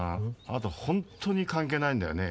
あなた本当に関係ないんだよね？